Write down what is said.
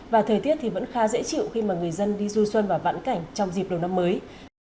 và thời tiết thì vẫn khá dễ chịu khi mà người dân đi du xuân và vãn cảnh trong dịp đầu năm mới